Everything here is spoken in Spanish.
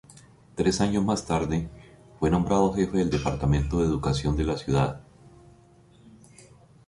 Tres años más tarde fue nombrado jefe del departamento de educación de la ciudad.